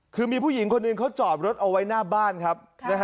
คือมีผู้หญิงคนหนึ่งเขาจอดรถเอาไว้หน้าบ้านครับ